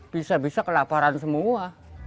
bisa bisa kelaparan semua